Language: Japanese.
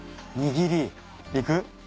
「握り」いく？